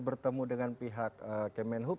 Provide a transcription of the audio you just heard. bertemu dengan pihak kemenhub